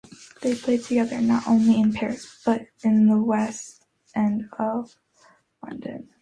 They played together not only in Paris, but in the West End of London.